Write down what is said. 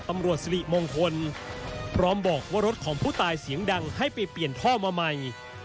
สิริมงคลพร้อมบอกว่ารถของผู้ตายเสียงดังให้ไปเปลี่ยนท่อมาใหม่